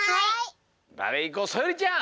だれいこうそよりちゃん！